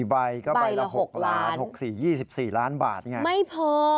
๔ใบก็ใบละ๖ล้าน๖ล้าน๒๔ล้านบาทนี่ไงไม่พอ